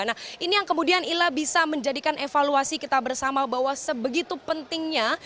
nah ini yang kemudian ila bisa menjadikan evaluasi kita bersama bahwa sebegitu pentingnya